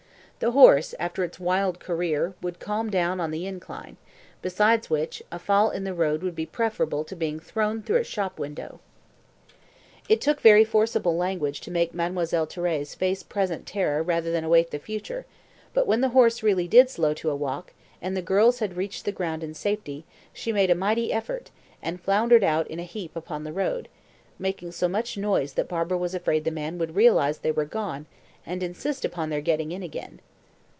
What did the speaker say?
The horse, after its wild career, would calm down on the incline, besides which, a fall in the road would be preferable to being thrown through a shop window. It took very forcible language to make Mademoiselle Thérèse face present terror rather than await the future; but, when the horse really did slow down to a walk, and the two girls had reached the ground in safety, she made a mighty effort, and floundered out in a heap upon the road, making so much noise that Barbara was afraid the man would realise they were gone, and insist upon their getting in again.